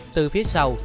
từ phía sau